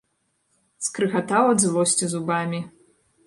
Скрыгатаў ад злосці зубамі.